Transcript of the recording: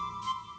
rum mau ngajar